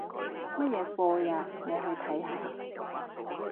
乜嘢課吖？我去睇下